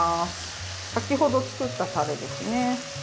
先ほど作ったたれですね。